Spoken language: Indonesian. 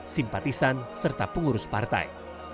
simpatisan serta pengurus partai